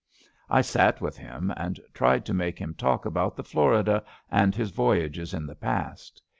I sat with him and tried to make him talk about iheFlorida and his voyages in the past.